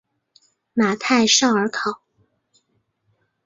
马泰绍尔考。